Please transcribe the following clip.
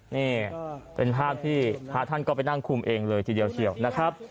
นี่เป็นภาพที่พระท่านก็ไปนั่งคุมเองเลยทีเดียวเชียวนะครับ